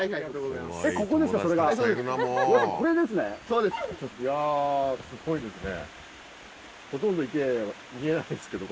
いやすごいですね。